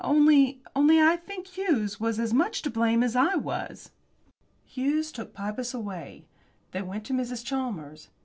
Only only I think Hughes was as much to blame as I was." Hughes took Pybus away. They went to Mrs. Chalmers.